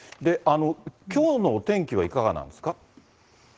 きょうのお天気はいかがなんですか？